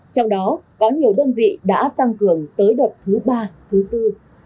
trong đó có nhiều đơn vị đã tăng cường tới đợt thứ ba thứ bốn